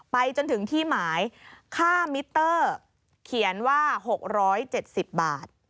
ไปจนถึงที่หมายค่ามิเตอร์เขียนว่า๖๗๐บาท